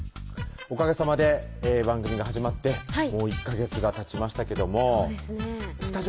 おかげさまで番組が始まってもう１ヵ月がたちましたけどもそうですね